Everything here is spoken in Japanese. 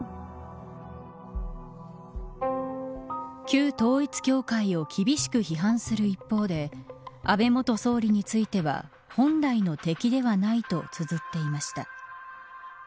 旧統一教会を厳しく批判する一方で安倍元総理については本来の敵ではないとつづっていました。